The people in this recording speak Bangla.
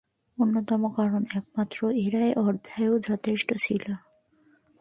অন্যতম কারণ একমাত্র এরই অর্ধায়ু যথেষ্ট ছিল।